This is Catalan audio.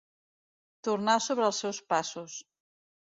Tornar sobre els seus passos.